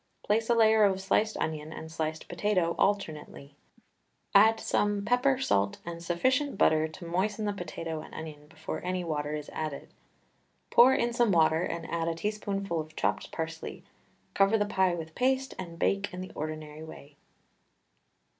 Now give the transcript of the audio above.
Place a layer of sliced onion and sliced potato alternately. Add some pepper, salt, and sufficient butter to moisten the potato and butter before any water is added. Pour in some water and add a teaspoonful of chopped parsley, cover the pie with paste, and bake in the ordinary way.